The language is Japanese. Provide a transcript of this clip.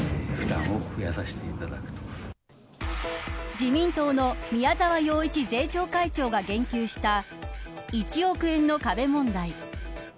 自民党の宮沢洋一税調会長が言及した１億円の壁問題。